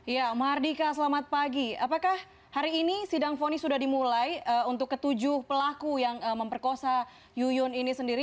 ya mahardika selamat pagi apakah hari ini sidang fonis sudah dimulai untuk ketujuh pelaku yang memperkosa yuyun ini sendiri